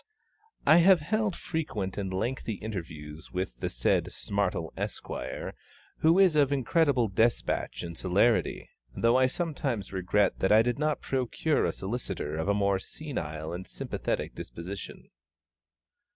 I have held frequent and lengthy interviews with the said SMARTLE, Esq., who is of incredible despatch and celerity though I sometimes regret that I did not procure a solicitor of a more senile and sympathetic disposition.